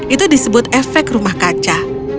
itu disebut efek rumah kaca